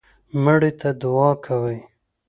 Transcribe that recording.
مړي ته دعا کوئ